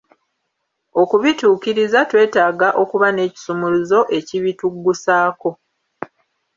Okubituukiriza twetaaga okuba n'ekisumuluzo ekibituggusaako.